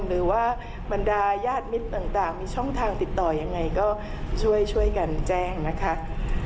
หรือว่าบรรดายาดมิตรต่างมีช่องทางติดต่อยังไงก็ช่วยกันแจ้งนะคะ